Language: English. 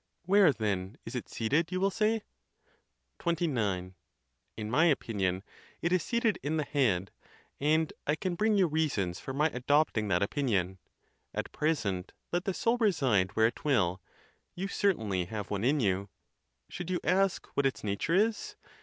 Where, then, is it seated, you will say? XXIX. In my opinion, it is seated in the head, and I can bring you reasons for my adopting that opinion. At pres ent, let the soul reside where it will, you certainly have one in you. Should you ask what its nature is?